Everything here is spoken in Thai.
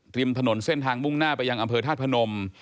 ริมถนนเส้นทางมุ่งหน้าไปยังอำเภอธาตุพนม